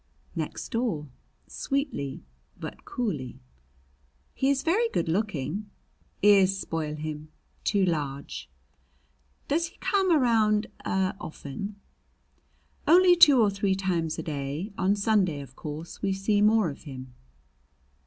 "Next door," sweetly but coolly. "He is very good looking." "Ears spoil him too large." "Does he come around er often?" "Only two or three times a day. On Sunday, of course, we see more of him."